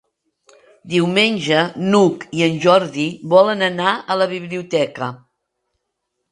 Diumenge n'Hug i en Jordi volen anar a la biblioteca.